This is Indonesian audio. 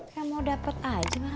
gue mau dapet aja